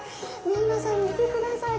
皆さん、見てください。